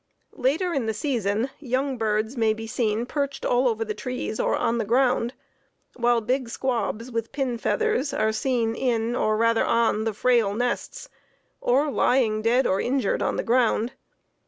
Later in the season young birds may be seen perched all over the trees or on the ground, while big squabs with pin feathers on are seen in, or rather on, the frail nests, or lying dead or injured on the ground.